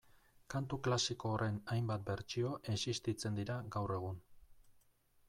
Kantu klasiko horren hainbat bertsio existitzen dira gaur egun